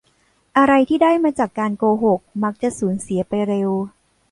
อะไรที่ได้มาจากการโกหกมักจะสูญเสียไปเร็ว